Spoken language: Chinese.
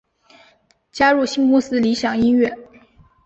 加入新公司理响音乐。